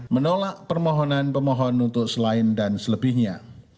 menolak permohonan pemohon untuk selain dan selebihnya